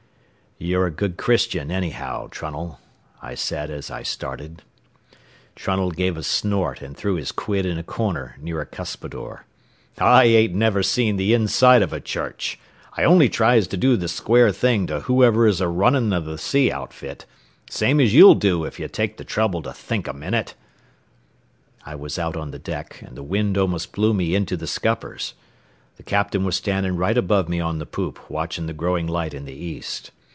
"You're a good Christian, anyhow, Trunnell," I said as I started. Trunnell gave a snort and threw his quid in a corner near a cuspidor. "I ain't never seen the inside of a church. I only tries to do the square thing to whoever is a runnin' of the sea outfit same as ye'll do if ye'll take the trouble to think a minit " I was out on the deck, and the wind almost blew me into the scuppers. The captain was standing right above me on the poop watching the growing light in the east.